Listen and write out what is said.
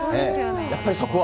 やっぱりそこは。